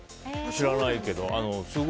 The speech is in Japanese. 知らないけど。